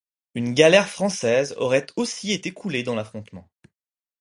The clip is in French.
Une galère française aurait aussi été coulée dans l'affrontement.